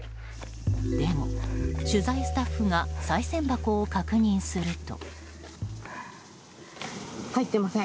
でも、取材スタッフがさい銭箱を確認すると。